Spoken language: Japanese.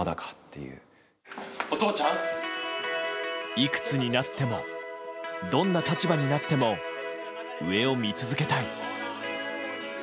いくつになってもどんな立場になっても上を見続けたい。